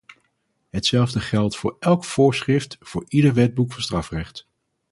Hetzelfde geldt voor elk voorschrift, voor ieder wetboek van strafrecht.